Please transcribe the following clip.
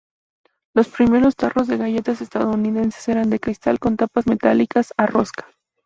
Los primeros tarros de galletas estadounidenses eran de cristal con tapas metálicas a rosca.